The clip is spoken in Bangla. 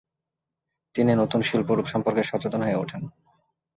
তিনি এই নতুন শিল্পরূপ সম্পর্কে সচেতন হয়ে ওঠেন।